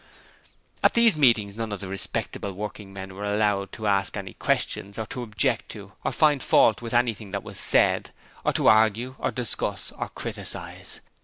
At these meetings none of the 'respectable' working men were allowed to ask any questions, or to object to, or find fault with anything that was said, or to argue, or discuss, or criticize.